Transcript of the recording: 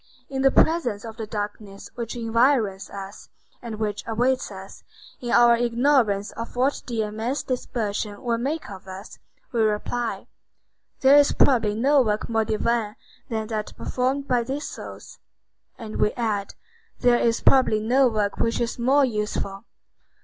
In the presence of the darkness which environs us, and which awaits us, in our ignorance of what the immense dispersion will make of us, we reply: "There is probably no work more divine than that performed by these souls." And we add: "There is probably no work which is more useful."